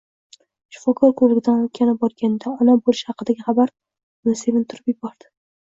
Shifokor ko`rigidan o`tgani borganida ona bo`lish haqidagi xabar uni sevintirib yubordi